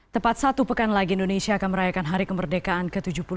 tepat satu pekan lagi indonesia akan merayakan hari kemerdekaan ke tujuh puluh dua